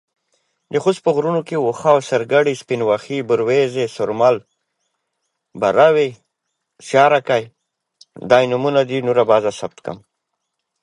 نمک د افغانستان د شنو سیمو ښکلا ده.